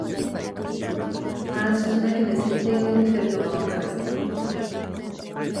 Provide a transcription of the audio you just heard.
あらすじだけで設定がこってるのがわかる